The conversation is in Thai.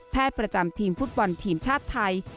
ประจำทีมฟุตบอลทีมชาติไทย